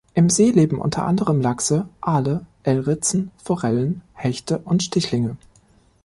Im See leben unter anderem Lachse, Aale, Elritzen, Forellen, Hechte und Stichlinge.